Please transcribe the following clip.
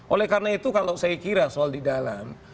oleh karena itu kalau saya kira soal di dalam